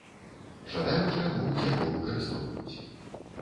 Жадаючыя могуць яго выкарыстоўваць.